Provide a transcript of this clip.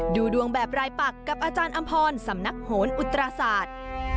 ดูดวงแบบรายปักกับอาจารย์อำพรสำนักโหนอุตราศาสตร์